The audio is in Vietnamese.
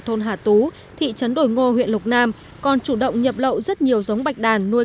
thôn hà tú thị trấn đồi ngô huyện lục nam còn chủ động nhập lậu rất nhiều giống bạch đàn nuôi